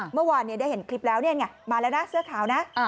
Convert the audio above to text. เมื่อวานได้เห็นคลิปแล้วนี่ไงมาแล้วนะเสื้อขาวนะ